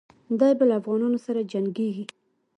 دی به له افغانانو سره جنګیږي.